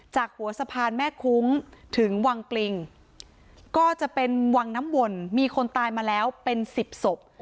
หัวสะพานแม่คุ้งถึงวังปริงก็จะเป็นวังน้ำวนมีคนตายมาแล้วเป็นสิบศพ